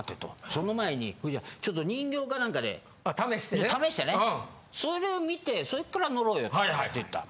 「その前にちょっと人形かなんかで試してねそれを見てそれから乗ろうよ」って言ったの。